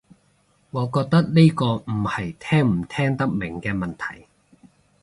我覺得呢個唔係聽唔聽得明嘅問題